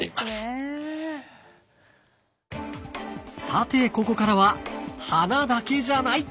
さてここからは花だけじゃない！